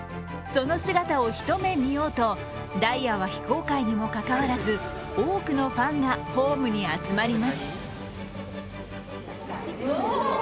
その姿を一目見ようと、ダイヤは非公開にもかかわらず多くのファンがホームに集まります。